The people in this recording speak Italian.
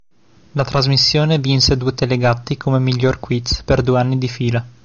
La trasmissione vinse due Telegatti come "Miglior quiz" per due anni di fila.